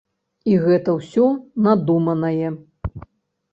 І гэта ўсё надуманае.